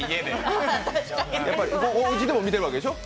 おうちでも見てるわけでしょ？